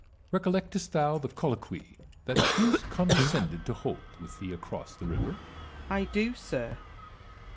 Edward. Recollectest thou the colloquy that Bruce condescended to hold with thee across the river 1 Wallace. I do, sir.